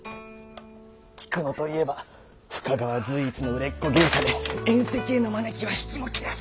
菊野といえば深川随一の売れっ子芸者で宴席への招きは引きも切らず。